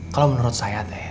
kalau menurut saya deh